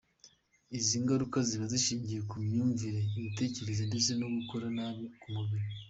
Izi ngaruka ziba zishingiye ku myumvire, imitekerereze ndetse no ku gukora nabi k'umubiri.